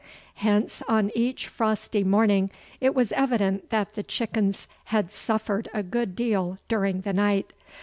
Hence on each frosty morning it was evident that the chickens had suffered a good deal during the night.